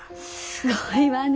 すごいわね